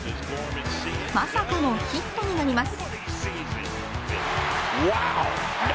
まさかのヒットになります。